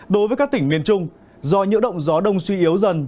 đối với các tỉnh miền trung do nhiễu động gió đông suy yếu dần